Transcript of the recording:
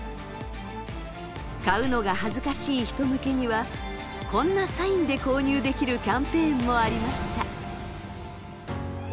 買うのが恥ずかしい人向けにはこんなサインで購入できるキャンペーンもありました。